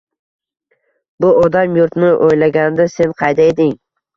Bu odam yurtni o‘ylaganda sen qayda eding?!